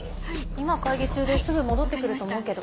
今会議中ですぐ戻って来ると思うけど。